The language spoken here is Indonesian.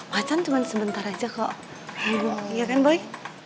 macan cuma sebentar aja kok bingung iya kan boy